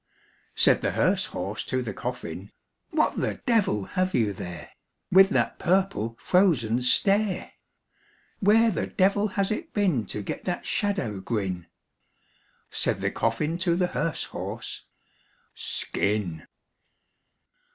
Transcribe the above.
Said the hearse horse to the coffin, "What the devil have you there, With that purple frozen stare? Where the devil has it been To get that shadow grin?" Said the coffin to the hearse horse, "Skin!"